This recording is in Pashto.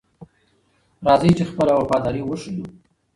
راځئ چې خپله وفاداري وښیو.